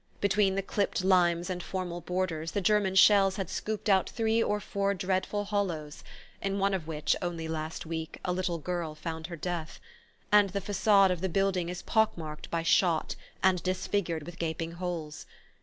Between the clipped limes and formal borders the German shells had scooped out three or four "dreadful hollows," in one of which, only last week, a little girl found her death; and the facade of the building is pock marked by shot and disfigured with gaping holes.